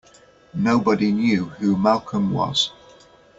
Nobody knew who Malcolm was.